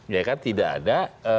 ya kan tidak ada